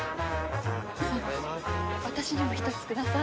私にも１つください。